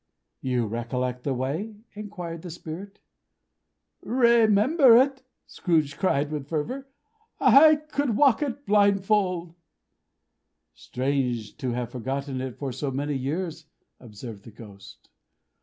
"You recollect the way?" inquired the Spirit. "Remember it!" cried Scrooge with fervor; "I could walk it blindfold." "Strange to have forgotten it for so many years!" observed the Ghost.